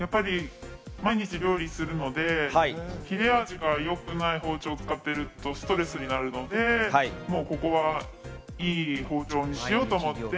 毎日料理するので、切れ味が良くない包丁を使っているとストレスになるので、ここはいい包丁にしようと思って。